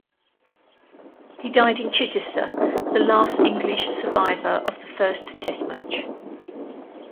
He died in Chichester, the last English survivor of the first Test match.